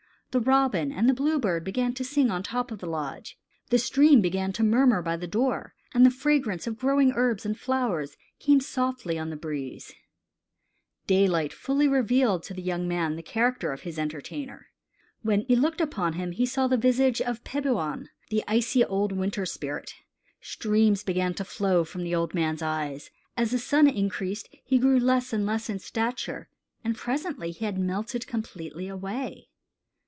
The robin and the blue bird began to sing on the top of the lodge. The stream began to murmur by the door, and the fragrance of growing herbs and flowers came softly on the breeze. WINTER SPIRIT AND HIS VISITOR Daylight fully revealed to the young man the character of his entertainer. When he looked upon him he saw the visage of Peboan, the icy old Winter Spirit. Streams began to flow from the old man's eyes. As the sun increased he grew less and less in stature, and presently he had melted completely away.